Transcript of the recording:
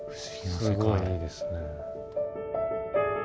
すごいいいですね。